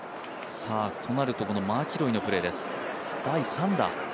となると、マキロイのプレーです、第３打。